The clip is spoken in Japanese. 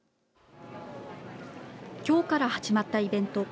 きょうから始まったイベント。